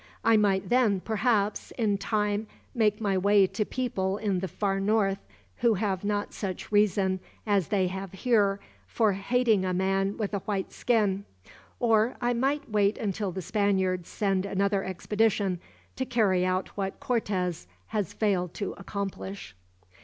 I might then, perhaps, in time make my way to people in the far north, who have not such reason as they have here for hating a man with a white skin; or I might wait until the Spaniards send another expedition, to carry out what Cortez has failed to accomplish."